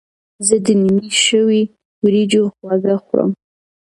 زه د نینې شوي وریجو خواږه خوړم.